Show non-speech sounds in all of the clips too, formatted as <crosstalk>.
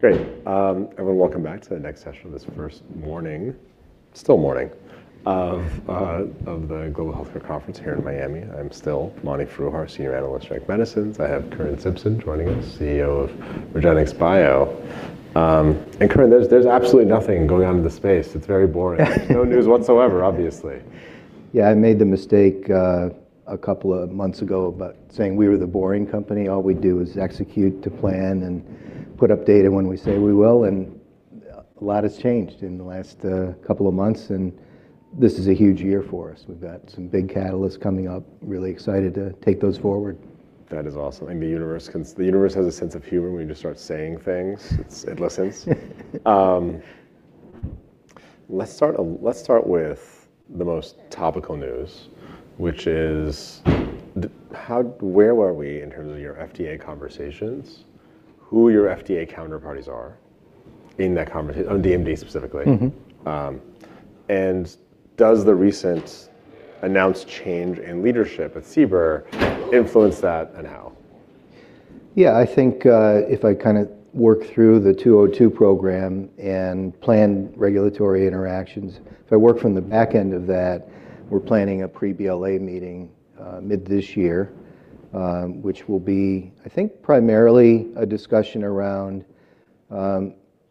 Great. Everyone welcome back to the next session of this first morning, still morning, of the Global Healthcare Conference here in Miami. I'm still Mani Foroohar, Senior Analyst. <audio distortion> I have Curran Simpson joining us, CEO of REGENXBIO. Curran, there's absolutely nothing going on in the space. It's very boring. There's no news whatsoever, obviously. Yeah. I made the mistake a couple of months ago about saying we were the boring company. All we do is execute to plan and put up data when we say we will. A lot has changed in the last couple of months. This is a huge year for us. We've got some big catalysts coming up, really excited to take those forward. That is awesome, and the universe has a sense of humor when you just start saying things. It's. It listens. Let's start with the most topical news, which is how, where were we in terms of your FDA conversations, who your FDA counterparties are on DMD specifically? Does the recent announced change in leadership at CBER influence that and how? Yeah. I think, if I kinda work through the RGX-202 program and plan regulatory interactions, if I work from the back end of that, we're planning a pre-BLA meeting, mid this year, which will be, I think, primarily a discussion around,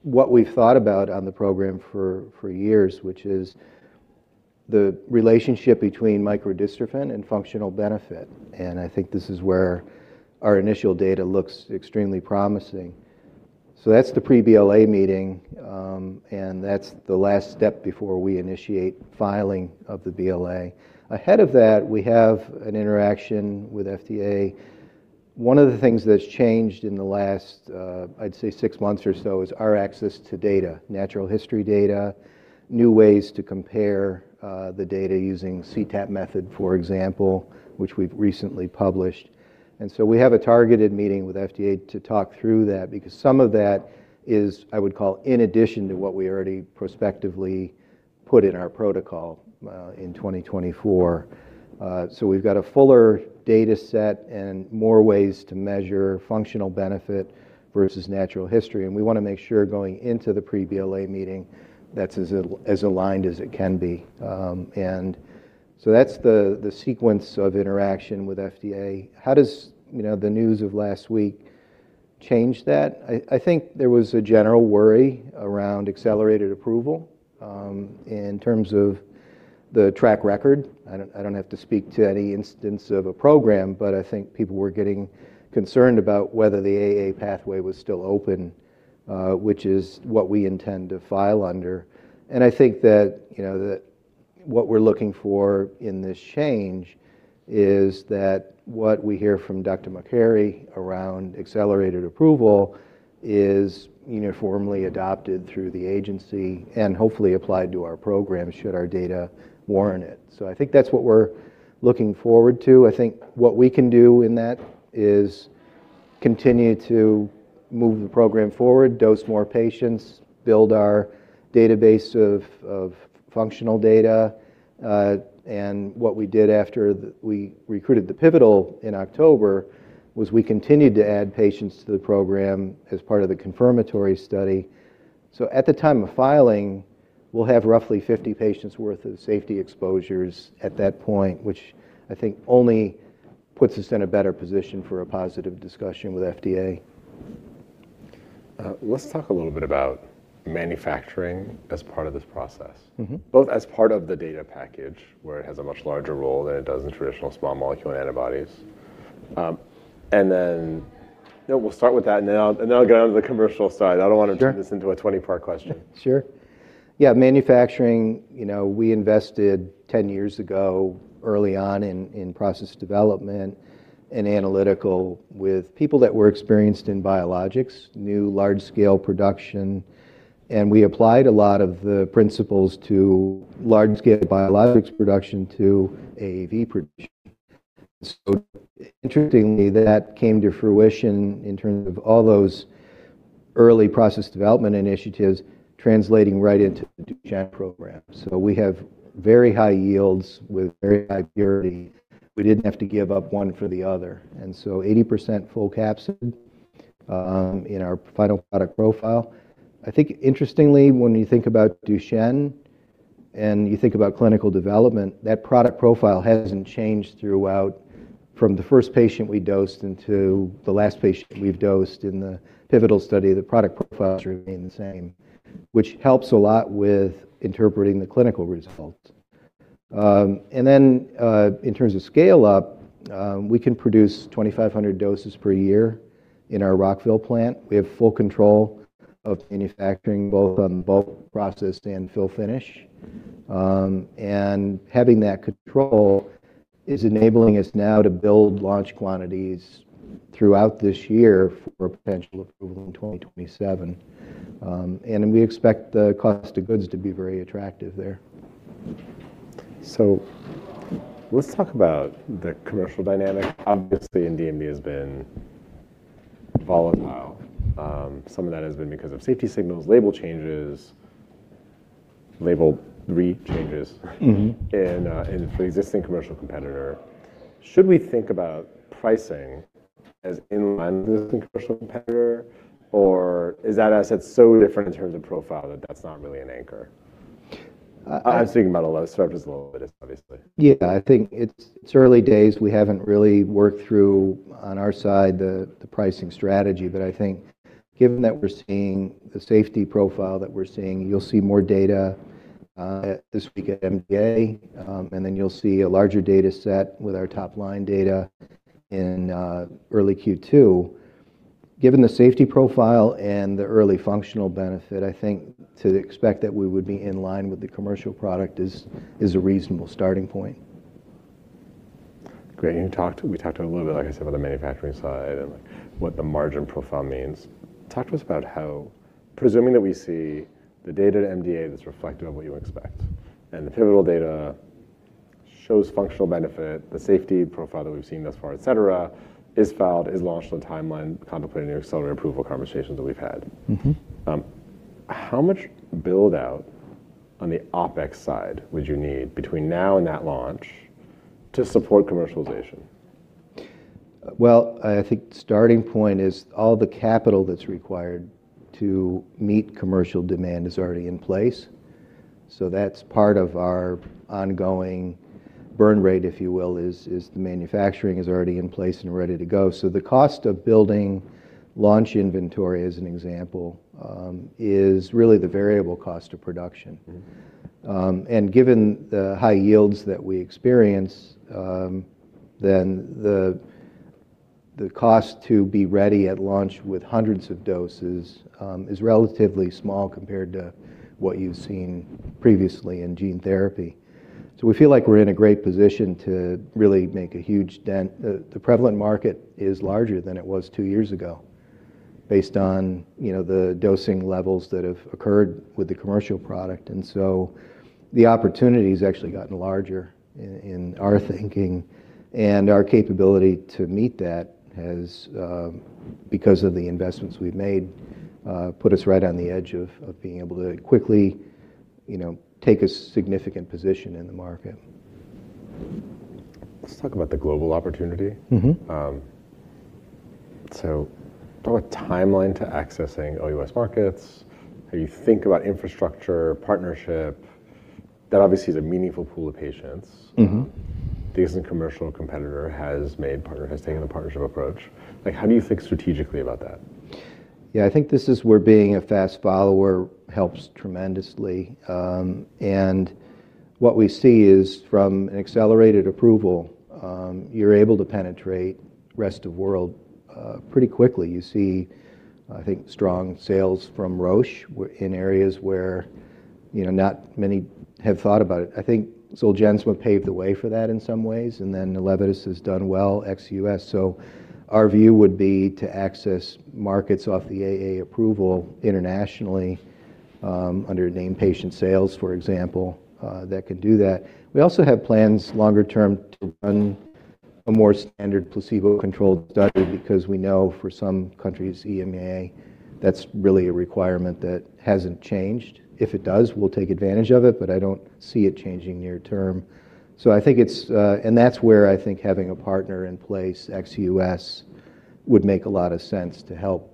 what we've thought about on the program for years, which is the relationship between microdystrophin and functional benefit, and I think this is where our initial data looks extremely promising. That's the pre-BLA meeting, and that's the last step before we initiate filing of the BLA. Ahead of that, we have an interaction with FDA. One of the things that's changed in the last, I'd say six months or so, is our access to data, natural history data, new ways to compare, the data using CTAB method, for example, which we've recently published. We have a targeted meeting with FDA to talk through that because some of that is, I would call, in addition to what we already prospectively put in our protocol, in 2024. So we've got a fuller data set and more ways to measure functional benefit versus natural history, and we wanna make sure going into the pre-BLA meeting that's as aligned as it can be. That's the sequence of interaction with FDA. How does the news of last week change that? I think there was a general worry around accelerated approval in terms of the track record. I don't, I don't have to speak to any instance of a program, but I think people were getting concerned about whether the AA pathway was still open, which is what we intend to file under. I think that what we're looking for in this change is that what we hear from Dr. Makary around accelerated approval is uniformly adopted through the agency and hopefully applied to our program, should our data warrant it. I think that's what we're looking forward to. I think what we can do in that is continue to move the program forward, dose more patients, build our database of functional data. What we did after we recruited the pivotal in October was we continued to add patients to the program as part of the confirmatory study. At the time of filing, we'll have roughly 50 patients worth of safety exposures at that point, which I think only puts us in a better position for a positive discussion with FDA. Let's talk a little bit about manufacturing as part of this process. Both as part of the data package, where it has a much larger role than it does in traditional small molecule antibodies. No, we'll start with that, and then I'll get on to the commercial side. I don't want to turn this into a 20-part question. Sure. Yeah. Manufacturing, we invested 10 years ago early on in process development and analytical with people that were experienced in biologics, new large scale production, and we applied a lot of the principles to large scale biologics production to AAV production. Interestingly, that came to fruition in terms of all those early process development initiatives translating right into the Duchenne program. We have very high yields with very high purity. We didn't have to give up one for the other, 80% full capsid in our final product profile. I think interestingly, when you think about Duchenne and you think about clinical development, that product profile hasn't changed throughout from the first patient we dosed until the last patient we've dosed in the pivotal study. The product profiles remain the same, which helps a lot with interpreting the clinical results. In terms of scale up, we can produce 2,500 doses per year in our Rockville plant. We have full control of manufacturing, both on bulk process and fill finish. Having that control is enabling us now to build launch quantities throughout this year for potential approval in 2027. We expect the cost of goods to be very attractive there. Let's talk about the commercial dynamic. Obviously, DMD has been volatile. Some of that has been because of safety signals, label 3 changes in the existing commercial competitor. Should we think about pricing as in line with the commercial competitor? Is that asset so different in terms of profile that that's not really an anchor? I'm thinking about a low start, just a little bit, obviously. Yeah. I think it's early days. We haven't really worked through on our side the pricing strategy. I think given that we're seeing the safety profile that we're seeing, you'll see more data this week at MDA, and then you'll see a larger data set with our top-line data in early Q2. Given the safety profile and the early functional benefit, I think to expect that we would be in line with the commercial product is a reasonable starting point. Great. We talked a little bit, like I said, about the manufacturing side and what the margin profile means. Talk to us about presuming that we see the data at MDA that's reflective of what you expect, and the pivotal data shows functional benefit, the safety profile that we've seen thus far, et cetera, is filed, is launched on the timeline, contemplating the accelerated approval conversations that we've had. How much build-out on the OpEx side would you need between now and that launch to support commercialization? I think starting point is all the capital that's required to meet commercial demand is already in place. That's part of our ongoing burn rate, if you will, is the manufacturing is already in place and ready to go. The cost of building launch inventory, as an example, is really the variable cost of production. Given the high yields that we experience, then the cost to be ready at launch with hundreds of doses is relatively small compared to what you've seen previously in gene therapy. We feel like we're in a great position to really make a huge dent. The prevalent market is larger than it was two years ago based on, the dosing levels that have occurred with the commercial product. The opportunity's actually gotten larger in our thinking, and our capability to meet that has because of the investments we've made, put us right on the edge of being able to quickly take a significant position in the market. Let's talk about the global opportunity. Talk about timeline to accessing OUS markets, how you think about infrastructure, partnership. That obviously is a meaningful pool of patients. The existing commercial competitor has taken a partnership approach. How do you think strategically about that? I think this is where being a fast follower helps tremendously. What we see is from an accelerated approval, you're able to penetrate rest of world pretty quickly. You see, I think, strong sales from Roche in areas where not many have thought about it. I think Zolgensma paved the way for that in some ways, and then Elevidys has done well ex-U.S. Our view would be to access markets off the AA approval internationally, under named patient sales, for example, that could do that. We also have plans longer term to run a more standard placebo-controlled study because we know for some countries, EMA, that's really a requirement that hasn't changed. If it does, we'll take advantage of it, but I don't see it changing near term. I think it's... That's where I think having a partner in place ex-U.S. would make a lot of sense to help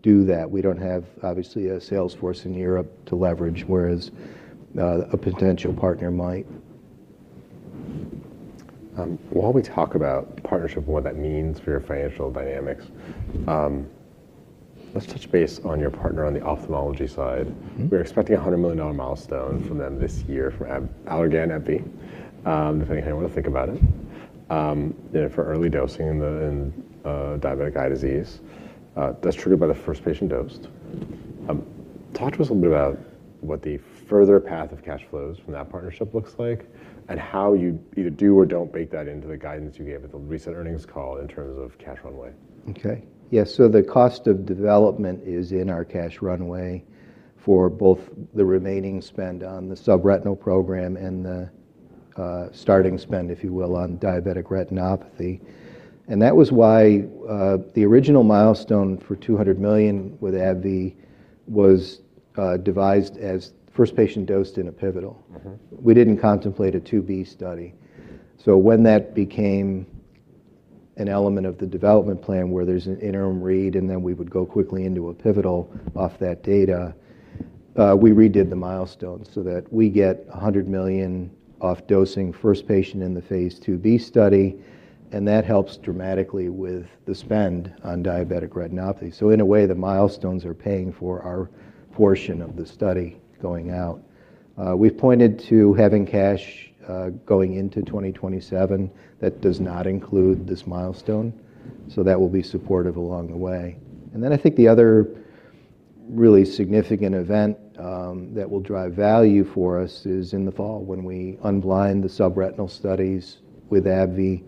do that. We don't have, obviously, a sales force in Europe to leverage, whereas, a potential partner might. While we talk about partnership and what that means for your financial dynamics. Let's touch base on your partner on the ophthalmology side. We're expecting a $100 million milestone from them this year from Allergan, AbbVie, depending on how you wanna think about it, for early dosing in the diabetic eye disease, that's triggered by the first patient dosed. Talk to us a little bit about what the further path of cash flows from that partnership looks like and how you either do or don't bake that into the guidance you gave at the recent earnings call in terms of cash runway. Okay. Yeah. The cost of development is in our cash runway for both the remaining spend on the subretinal program and the starting spend, if you will, on diabetic retinopathy. That was why the original milestone for $200 million with AbbVie was devised as first patient dosed in a pivotal. We didn't contemplate a 2b study. When that became an element of the development plan where there's an interim read, and then we would go quickly into a pivotal off that data, we redid the milestone so that we get $100 million off dosing first patient in the phase IIb study, and that helps dramatically with the spend on diabetic retinopathy. In a way, the milestones are paying for our portion of the study going out. We've pointed to having cash, going into 2027 that does not include this milestone, so that will be supportive along the way. I think the other really significant event that will drive value for us is in the fall when we unblind the subretinal studies with AbbVie,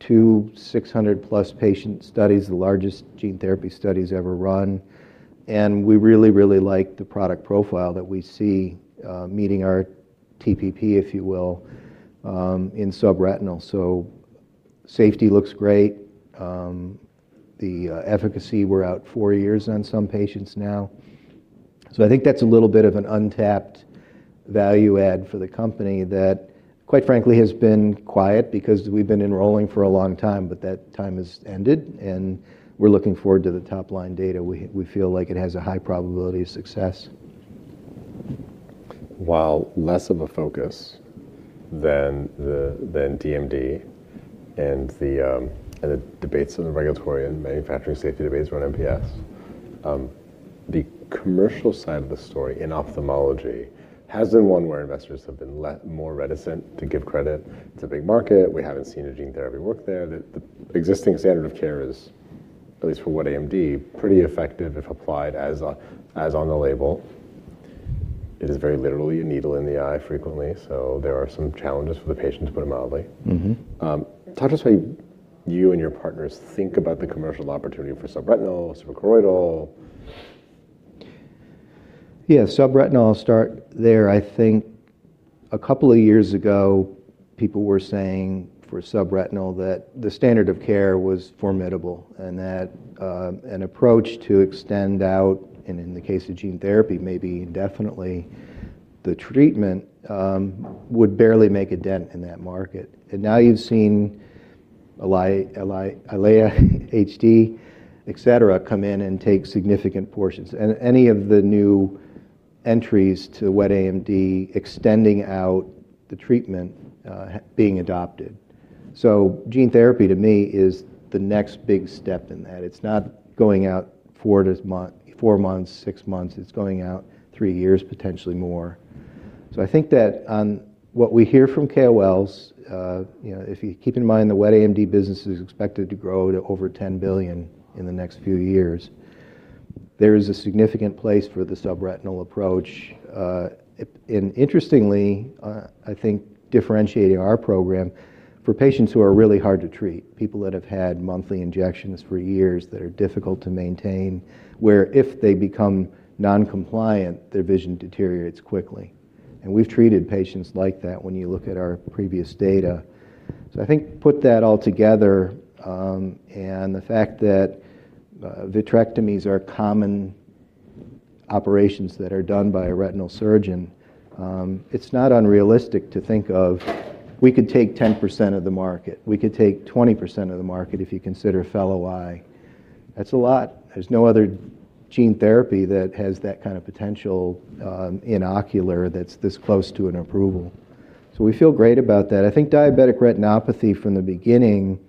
two 600+ patient studies, the largest gene therapy studies ever run, and we really, really like the product profile that we see, meeting our TPP, if you will, in subretinal. Safety looks great. The efficacy, we're out four years on some patients now. I think that's a little bit of an untapped value add for the company that quite frankly has been quiet because we've been enrolling for a long time, but that time has ended, and we're looking forward to the top-line data. We feel like it has a high probability of success. While less of a focus than DMD and the debates of the regulatory and manufacturing safety debates around MPS, the commercial side of the story in ophthalmology has been one where investors have been more reticent to give credit to big market. We haven't seen a gene therapy work there. The existing standard of care is, at least for wet AMD, pretty effective if applied as on the label. It is very literally a needle in the eye frequently, there are some challenges for the patient, to put it mildly. Talk to us how you and your partners think about the commercial opportunity for subretinal, suprachoroidal. Subretinal, I'll start there. I think a couple of years ago, people were saying for subretinal that the standard of care was formidable and that an approach to extend out, and in the case of gene therapy, maybe indefinitely, the treatment, would barely make a dent in that market. Now you've seen EYLEA HD, et cetera, come in and take significant portions. Any of the new entries to wet AMD extending out the treatment, being adopted. Gene therapy to me is the next big step in that. It's not going out four months, six months. It's going out three years, potentially more. I think that on what we hear from KOLs, if you keep in mind the wet AMD business is expected to grow to over $10 billion in the next few years, there is a significant place for the subretinal approach. And interestingly, I think differentiating our program for patients who are really hard to treat, people that have had monthly injections for years that are difficult to maintain, where if they become non-compliant, their vision deteriorates quickly. We've treated patients like that when you look at our previous data. I think put that all together, and the fact that, vitrectomies are common operations that are done by a retinal surgeon, it's not unrealistic to think of we could take 10% of the market. We could take 20% of the market if you consider fellow eye. That's a lot. There's no other gene therapy that has that potential in ocular that's this close to an approval. We feel great about that. I think diabetic retinopathy from the beginning,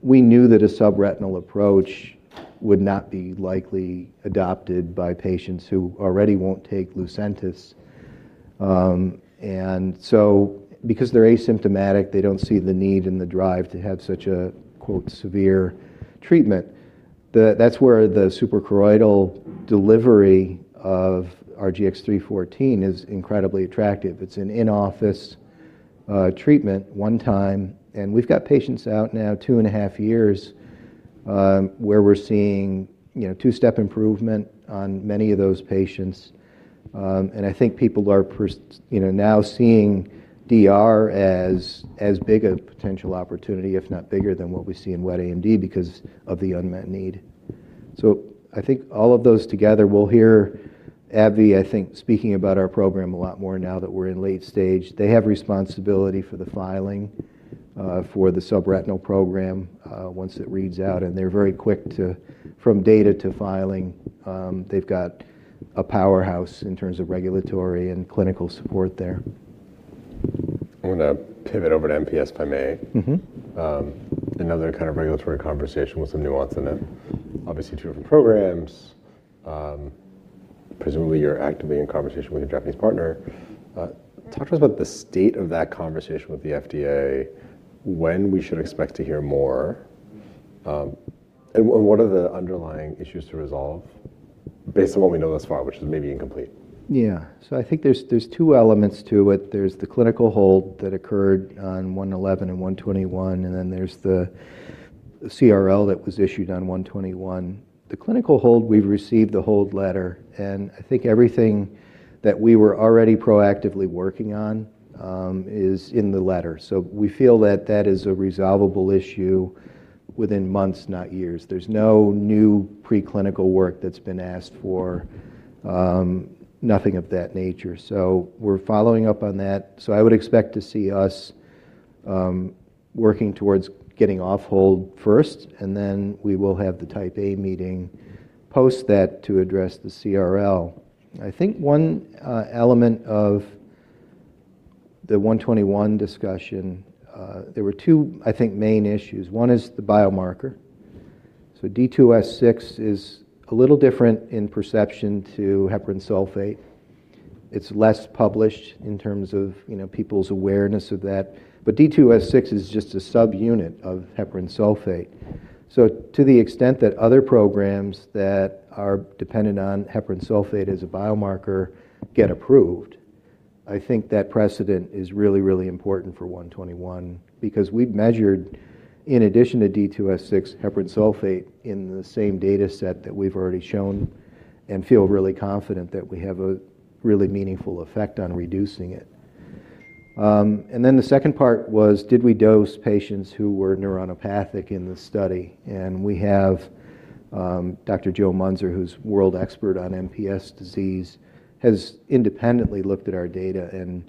we knew that a subretinal approach would not be likely adopted by patients who already won't take LUCENTIS. Because they're asymptomatic, they don't see the need and the drive to have such a quote, "severe" treatment. That's where the suprachoroidal delivery of RGX-314 is incredibly attractive. It's an in-office treatment, one time, and we've got patients out now 2.5 years, where we're seeing, two-step improvement on many of those patients. And I think people are now seeing DR as big a potential opportunity, if not bigger than what we see in wet AMD because of the unmet need. I think all of those together, we'll hear AbbVie, I think, speaking about our program a lot more now that we're in late stage. They have responsibility for the filing for the subretinal program once it reads out, and they're very quick to from data to filing. They've got a powerhouse in terms of regulatory and clinical support there. I'm gonna pivot over to MPS, if I may. Another kind of regulatory conversation with some nuance in it. Obviously, two different programs. Presumably you're actively in conversation with your Japanese partner. Talk to us about the state of that conversation with the FDA, when we should expect to hear more, and what are the underlying issues to resolve based on what we know thus far, which is maybe incomplete? I think there's 2 elements to it. There's the clinical hold that occurred on RGX-111 and RGX-121, there's the CRL that was issued on RGX-121. The clinical hold, we've received the hold letter, I think everything that we were already proactively working on is in the letter. We feel that that is a resolvable issue within months, not years. There's no new preclinical work that's been asked for, nothing of that nature. We're following up on that. I would expect to see us working towards getting off hold first, we will have the Type A meeting post that to address the CRL. I think one element of the RGX-121 discussion, there were two, I think, main issues. One is the biomarker. D2S6 is a little different in perception to heparan sulfate. It's less published in terms of people's awareness of that. D2S6 is just a subunit of heparan sulfate. To the extent that other programs that are dependent on heparan sulfate as a biomarker get approved, I think that precedent is really, really important for RGX-121 because we've measured, in addition to D2S6, heparan sulfate in the same dataset that we've already shown and feel really confident that we have a really meaningful effect on reducing it. The second part was, did we dose patients who were neuronopathic in the study? We have, Dr. Joe Muenzer, who's world expert on MPS disease, has independently looked at our data and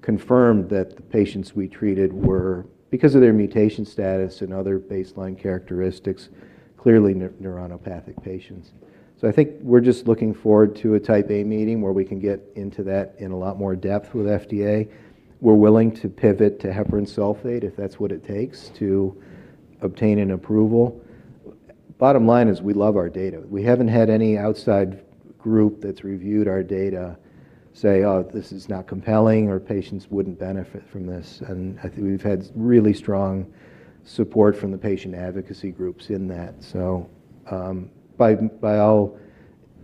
confirmed that the patients we treated were, because of their mutation status and other baseline characteristics, clearly neuronopathic patients. I think we're just looking forward to a Type A meeting where we can get into that in a lot more depth with FDA. We're willing to pivot to heparan sulfate if that's what it takes to obtain an approval. Bottom line is we love our data. We haven't had any outside group that's reviewed our data say, "Oh, this is not compelling," or, "Patients wouldn't benefit from this." I think we've had really strong support from the patient advocacy groups in that.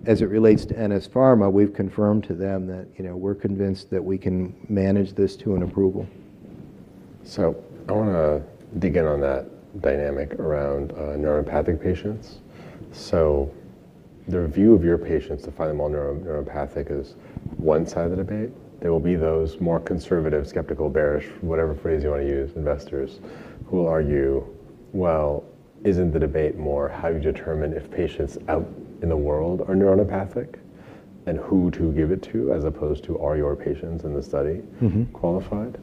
As it relates to NS Pharma, we've confirmed to them that we're convinced that we can manage this to an approval. I wanna dig in on that dynamic around neuronopathic patients. The review of your patients to find them all neuronopathic is one side of the debate. There will be those more conservative, skeptical, bearish, whatever phrase you wanna use, investors who will argue, "Well, isn't the debate more how you determine if patients out in the world are neuronopathic and who to give it to as opposed to are your patients in the study qualified?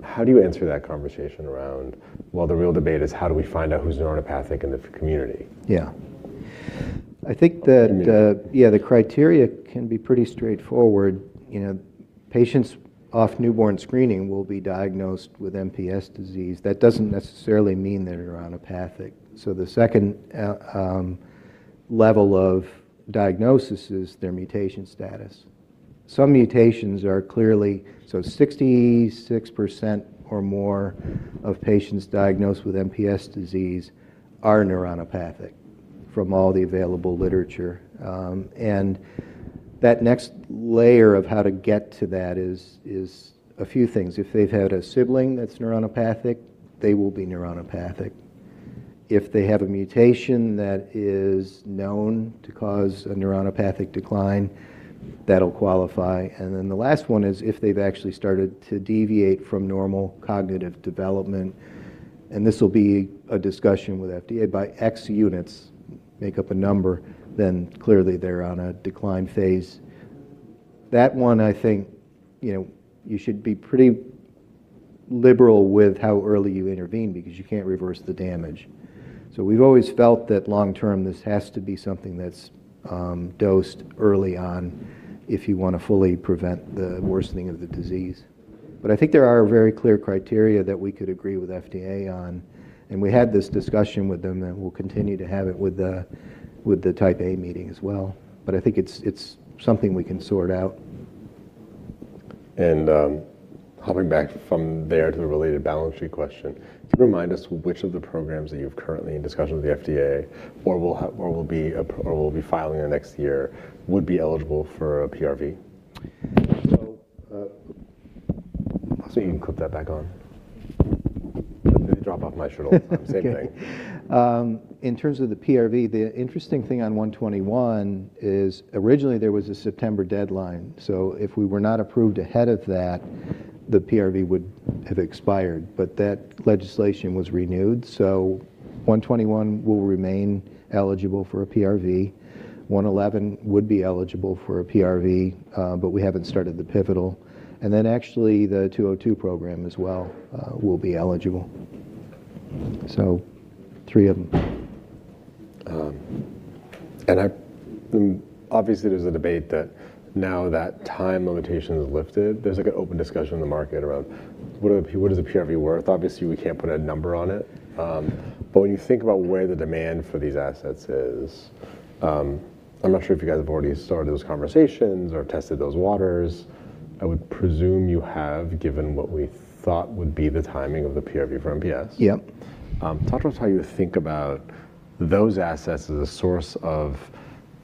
How do you answer that conversation around, well, the real debate is how do we find out who's neuronopathic in the community? Yeah. I think. The community. Yeah, the criteria can be pretty straightforward. You know, patients off newborn screening will be diagnosed with MPS disease. That doesn't necessarily mean they're neuronopathic. The second level of diagnosis is their mutation status. Some mutations are. 66% or more of patients diagnosed with MPS disease are neuronopathic from all the available literature. That next layer of how to get to that is a few things. If they've had a sibling that's neuronopathic, they will be neuronopathic. If they have a mutation that is known to cause a neuronopathic decline, that'll qualify. The last one is if they've actually started to deviate from normal cognitive development, and this will be a discussion with FDA, by X units, make up a number, then clearly they're on a decline phase. That one I think you should be pretty liberal with how early you intervene because you can't reverse the damage. We've always felt that long-term this has to be something that's dosed early on if you wanna fully prevent the worsening of the disease. I think there are very clear criteria that we could agree with FDA on, and we had this discussion with them and we'll continue to have it with the, with the Type A meeting as well. I think it's something we can sort out. hopping back from there to a related balance sheet question, could you remind us which of the programs that you have currently in discussion with the FDA or will be filing in the next year would be eligible for a PRV? So, uh- You can clip that back on. I drop off my shirt all the time. Okay. Same thing. In terms of the PRV, the interesting thing on 121 is originally there was a September deadline. If we were not approved ahead of that, the PRV would have expired, but that legislation was renewed. 121 will remain eligible for a PRV. 111 would be eligible for a PRV, but we haven't started the pivotal. Actually the 202 program as well will be eligible. 3 of 'em. Obviously there's a debate that now that time limitation is lifted, there's like an open discussion in the market around what is the PRV worth? Obviously, we can't put a number on it, but when you think about where the demand for these assets is, I'm not sure if you guys have already started those conversations or tested those waters. I would presume you have, given what we thought would be the timing of the PRV for MPS. Yep. Talk to us how you think about those assets as a source of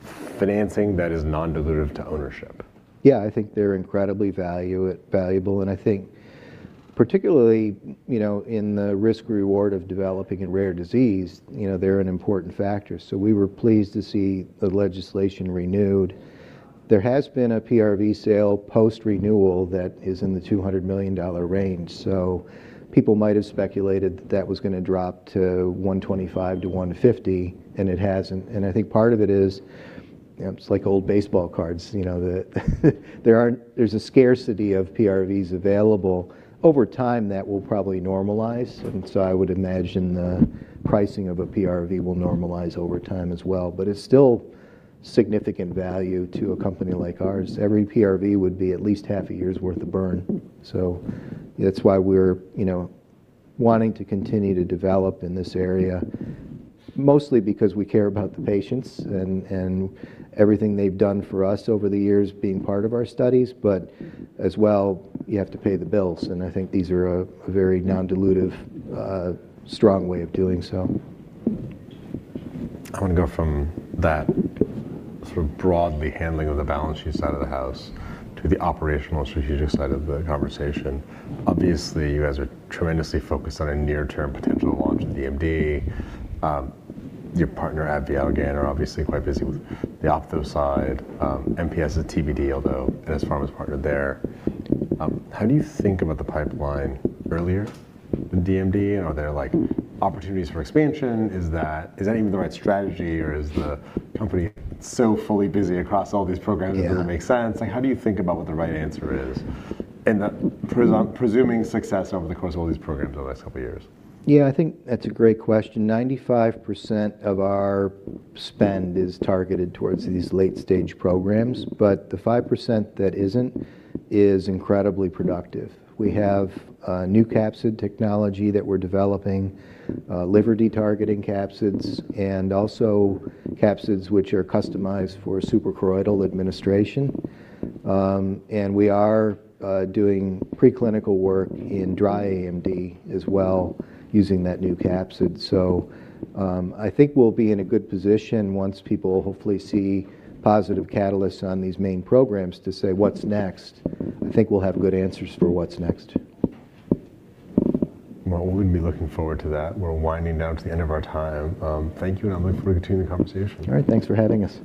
financing that is non-dilutive to ownership. Yeah. I think they're incredibly valuable, particularly in the risk-reward of developing a rare disease, they're an important factor, so we were pleased to see the legislation renewed. There has been a PRV sale post-renewal that is in the $200 million range, so people might have speculated that that was gonna drop to $125-$150, and it hasn't. I think part of it is, it's like old baseball cards, there's a scarcity of PRVs available. Over time, that will probably normalize. I would imagine the pricing of a PRV will normalize over time as well. It's still significant value to a company like ours. Every PRV would be at least half a year's worth of burn, so that's why we're wanting to continue to develop in this area, mostly because we care about the patients and everything they've done for us over the years being part of our studies. As well, you have to pay the bills, and I think these are a very non-dilutive, strong way of doing so. I wanna go from that broadly handling of the balance sheet side of the house to the operational strategic side of the conversation. Obviously, you guys are tremendously focused on a near-term potential launch of DMD. Your partner at AbbVie are obviously quite busy with the optho side. MPS is TBD, although NS Pharma's partnered there. How do you think about the pipeline earlier than DMD, and are there, like, opportunities for expansion? Is that even the right strategy, or is the company so fully busy across all these programs- Yeah it doesn't make sense? Like, how do you think about what the right answer is? presuming success over the course of all these programs over the next couple years. Yeah, I think that's a great question. 95% of our spend is targeted towards these late-stage programs, but the 5% that isn't is incredibly productive. We have a new capsid technology that we're developing, liver-detargeting capsids, and also capsids which are customized for suprachoroidal administration. We are doing preclinical work in dry AMD as well using that new capsid. I think we'll be in a good position once people hopefully see positive catalysts on these main programs to say, "What's next?" I think we'll have good answers for what's next. Well, we'll be looking forward to that. We're winding down to the end of our time. Thank you, and I look forward to continuing the conversation. All right. Thanks for having us.